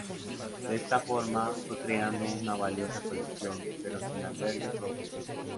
De esta forma, fue creando una valiosa colección, pero sin albergue propio.